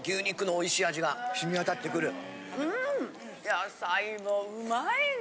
野菜もうまいね！